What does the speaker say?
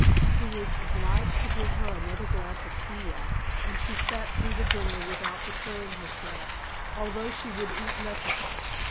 He was obliged to give her another glass of cognac, and she sat through the dinner without betraying herself, although she would eat nothing.